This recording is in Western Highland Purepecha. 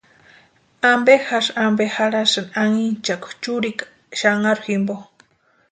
¿Ampe jasï ampe jarhasïni anhinchakwa churikwa xanharu jimpo?